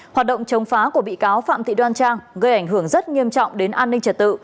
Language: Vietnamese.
hoạt động chống phá của bị cáo phạm thị đoan trang gây ảnh hưởng rất nghiêm trọng đến an ninh trật tự